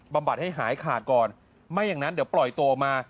บัดให้หายขาดก่อนไม่อย่างนั้นเดี๋ยวปล่อยตัวออกมา